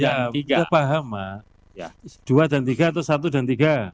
saya paham mbak dua dan tiga atau satu dan tiga